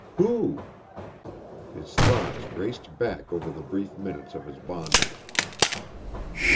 Who? His thoughts raced back over the brief minutes of his bondage.